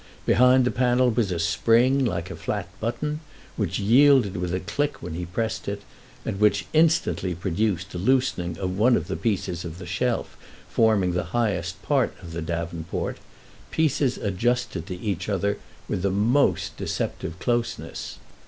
Behind the panel was a spring, like a flat button, which yielded with a click when he pressed it and which instantly produced a loosening of one of the pieces of the shelf forming the highest part of the davenport—pieces adjusted to each other with the most deceptive closeness.